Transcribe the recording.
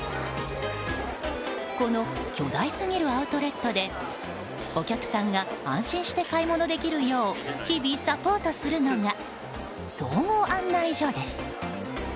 この巨大すぎるアウトレットでお客さんが安心して買い物できるよう日々サポートするのが総合案内所です。